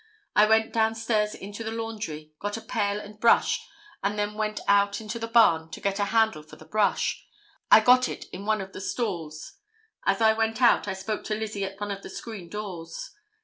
I went down stairs into the laundry, got a pail and brush and then went out into the barn to get a handle for the brush. I got it in one of the stalls. As I went out I spoke to Lizzie at one of the screen doors.